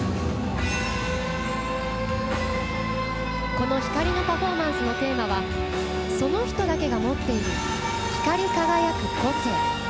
この光のパフォーマンスのテーマはその人だけが持っている「光り輝く個性」。